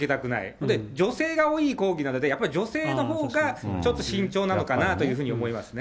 それで女性が多い講義なので、やっぱり女性のほうが、ちょっと慎重なのかなというふうに思いますね。